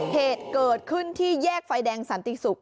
เหตุเกิดขึ้นที่แยกไฟแดงสันติศุกร์